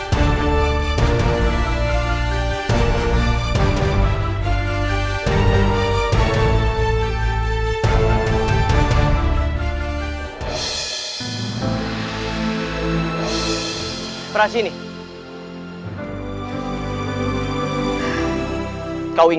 kuruku tidak menikah